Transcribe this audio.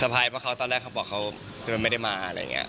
เซอร์ไพร์เพราะตอนแรกเขาบอกไม่ได้มา